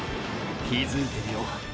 気づいてるよ。